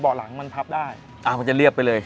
เบาะหลังที่มันพับได้